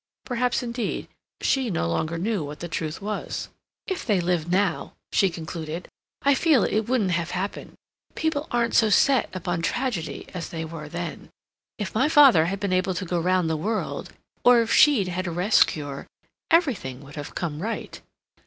Perhaps, indeed, she no longer knew what the truth was. "If they'd lived now," she concluded, "I feel it wouldn't have happened. People aren't so set upon tragedy as they were then. If my father had been able to go round the world, or if she'd had a rest cure, everything would have come right.